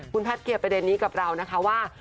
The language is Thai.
คุณแพทย์เคลียร์ประเด็นนี้กับเรานะคะว่า